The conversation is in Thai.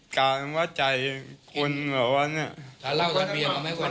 การว่าใจคนแบบว่าเนี่ย